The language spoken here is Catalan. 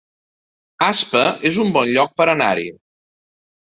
Aspa es un bon lloc per anar-hi